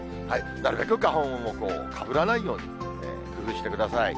なるべく花粉をかぶらないように工夫してください。